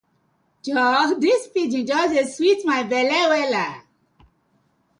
Joor dis pidgin just dey sweet my belle wella.